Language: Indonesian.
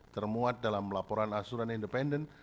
termuat dalam laporan asuran independen